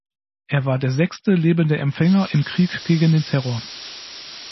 Er war der sechste lebende Empfänger im Krieg gegen den Terror.